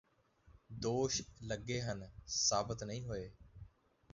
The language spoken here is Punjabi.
ਦੋਸ਼ ਲੱਗੇ ਹਨ ਸਾਬਤ ਨਹੀਂ ਹੋਏ